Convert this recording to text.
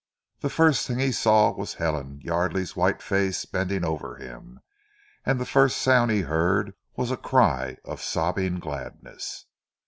The first thing he saw was Helen Yardely's white face bending over him, and the first sound he heard was a cry of sobbing gladness.